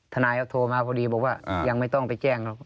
นายก็โทรมาพอดีบอกว่ายังไม่ต้องไปแจ้งหรอก